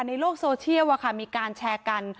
ในโลกโซเชียว่าค่ะมีการแชร์กัน